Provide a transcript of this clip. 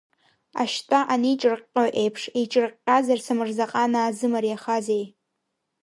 Ашьтәа анеиҿырҟьҟьо еиԥш, еиҿырҟьҟьаз самырзаҟанаа зымариахазеи?